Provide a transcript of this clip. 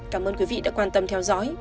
cảm ơn quý vị đã quan tâm theo dõi